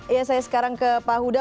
iya saya sekarang ke pak huda